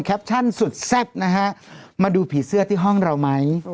ชั่นสุดแซ่บนะฮะมาดูผีเสื้อที่ห้องเราไหม